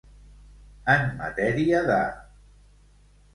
En matèria de.